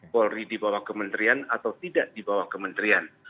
polri di bawah kementerian atau tidak di bawah kementerian